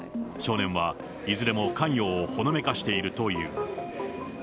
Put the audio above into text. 少年はいずれも関与をほのめかしているという。